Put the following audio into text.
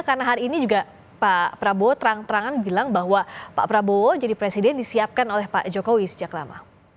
karena hari ini juga pak prabowo terang terangan bilang bahwa pak prabowo jadi presiden disiapkan oleh pak jokowi sejak lama